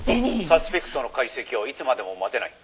「サスピクトの解析をいつまでも待てない」